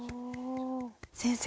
先生。